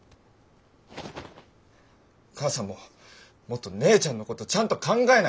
母さんももっと姉ちゃんのことちゃんと考えないと。